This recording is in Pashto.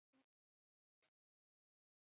کېچ اخیستل ډېر مهارت غواړي.